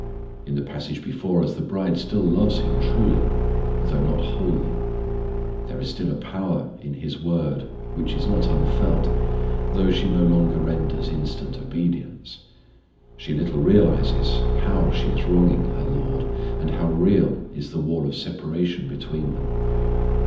In the passage before us the bride still loves Him truly, though not wholly; there is still a power in His Word which is not unfelt, though she no longer renders instant obedience. She little realizes how she is wronging her LORD, and how real is the wall of separation between them.